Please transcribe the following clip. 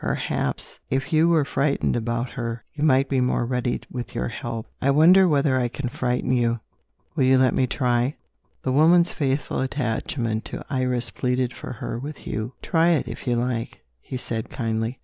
Perhaps, if you were frightened about her, you might be more ready with your help. I wonder whether I can frighten you? Will you let me try?" The woman's faithful attachment to Iris pleaded for her with Hugh. "Try, if you like," he said kindly.